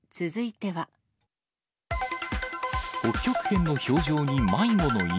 北極圏の氷上に迷子の犬。